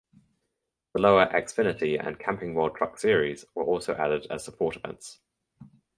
The lower Xfinity and Camping World Truck Series were also added as support events.